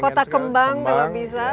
kota kembang kalau bisa